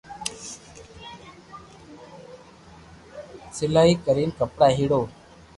سلائي ڪرين ڪپڙا ھيڙوو